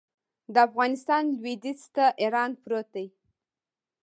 د افغانستان لویدیځ ته ایران پروت دی